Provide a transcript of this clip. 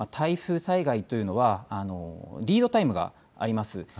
台風災害というのはリードタイムがあります。